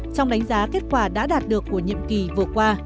trong đánh giá kết quả đã đạt được của nhiệm kỳ vừa qua